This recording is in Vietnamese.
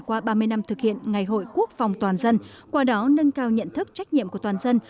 qua ba mươi năm thực hiện ngày hội quốc phòng toàn dân qua đó nâng cao nhận thức trách nhiệm của toàn dân